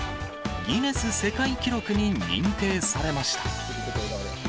ギネス世界記録に認定されました。